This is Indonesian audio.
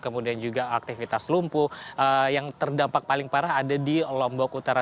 kemudian juga aktivitas lumpuh yang terdampak paling parah ada di lombok utara